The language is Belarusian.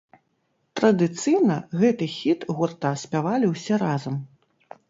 Традыцыйна, гэты хіт гурта спявалі ўсе разам.